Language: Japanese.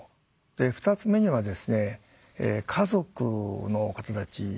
２つ目にはですね家族の方たちですね。